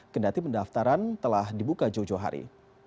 kendali pendaftaran telah dibuka jojo hari